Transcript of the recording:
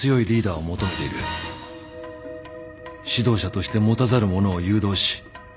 指導者として持たざるものを誘導し活用する。